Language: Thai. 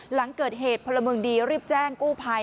หลังเกิดเหตุพลเมืองดีรีบแจ้งกู้ภัย